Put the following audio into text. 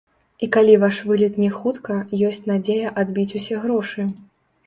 І калі ваш вылет не хутка, ёсць надзея адбіць усе грошы.